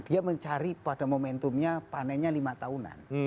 dia mencari pada momentumnya panennya lima tahunan